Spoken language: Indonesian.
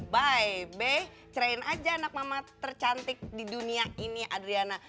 bye be cerain aja anak mama tercantik di dunia ini ya adriana